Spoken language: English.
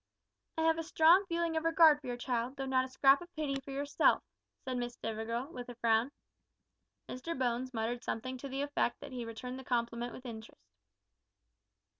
"I have a strong feeling of regard for your child, though not a scrap of pity for yourself," said Miss Stivergill, with a frown. Mr Bones muttered something to the effect that he returned the compliment with interest.